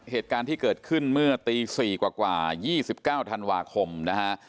เหตุการณ์ที่เกิดขึ้นเมื่อตี๔กว่า๒๙ธันวาคมนะฮะ